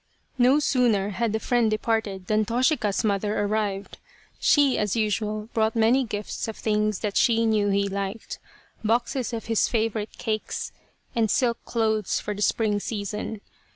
No sooner had the friend departed than Toshika's mother arrived. She, as usual, brought many gifts of things that she knew he liked, boxes of his favourite cakes and silk clothes for the spring season.